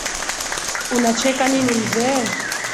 Unacheka nini mzee?